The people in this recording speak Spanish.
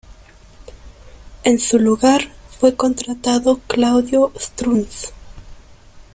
En su lugar, fue contratado Claudio Strunz.